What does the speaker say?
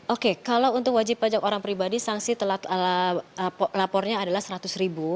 oke kalau untuk wajib pajak orang pribadi saksi telat lapornya adalah rp seratus